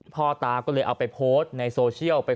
พ่อตาก็เลยเอาไปโพสต์ในโซเชียล